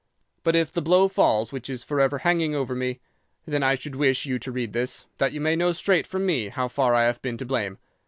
But if the blow falls which is forever hanging over me, then I should wish you to read this, that you may know straight from me how far I have been to blame.